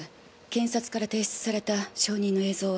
検察から提出された証人の映像は。